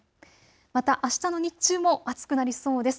またあしたの日中も暑くなりそうです。